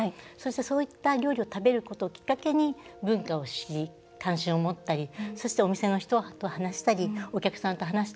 そういった料理を食べることをきっかけに文化を知り関心を持ったりそして、お店の人と話したりお客さんと話す。